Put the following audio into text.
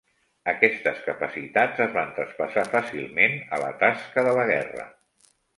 Aquestes capacitats es van traspassar fàcilment a la tasca de la guerra.